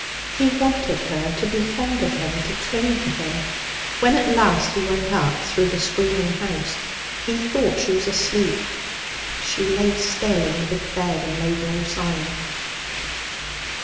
He wanted her to be fond of him, to cling to him. When at last he went up through the screaming house, he thought she was asleep. She lay still in the big bed and made no sign.